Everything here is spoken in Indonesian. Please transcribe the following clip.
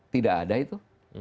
tidak ada itu